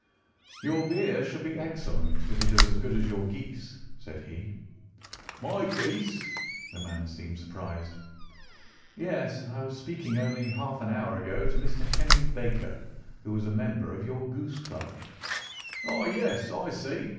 "Your beer should be excellent if it is as good as your geese," said he. "My geese!" The man seemed surprised. "Yes. I was speaking only half an hour ago to Mr. Henry Baker, who was a member of your goose club." "Ah! yes, I see.